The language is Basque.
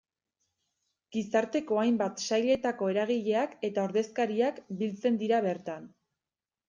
Gizarteko hainbat sailetako eragileak eta ordezkariak biltzen dira bertan.